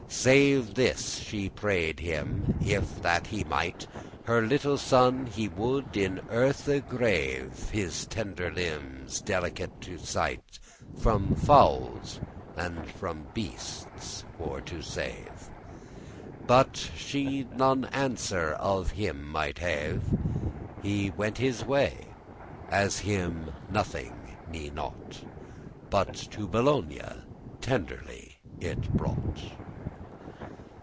Save this she prayed him, if that he might, Her little son he would in earthe grave,* *bury His tender limbes, delicate to sight, From fowles and from beastes for to save. But she none answer of him mighte have; He went his way, as him nothing ne raught,* *cared But to Bologna tenderly it brought.